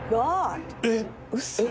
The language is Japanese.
「えっ？」